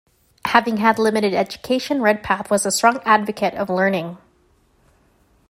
Having had limited education, Redpath was a strong advocate of learning.